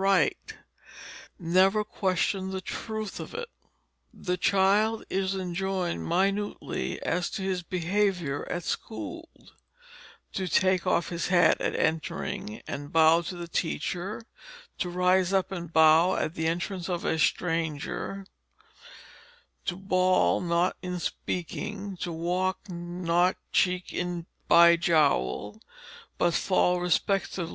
Snigger not; never question the Truth of it." The child is enjoined minutely as to his behavior at school: to take off his hat at entering, and bow to the teacher; to rise up and bow at the entrance of any stranger; to "bawl not in speaking"; to "walk not cheek by jole," but fall respectfully behind and always "give the Wall to Superiors."